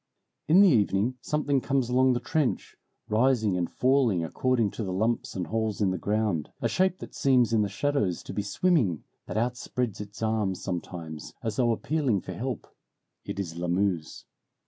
In the evening something comes along the trench, rising and falling according to the lumps and holes in the ground; a shape that seems in the shadows to be swimming, that outspreads its arms sometimes, as though appealing for help. It is Lamuse.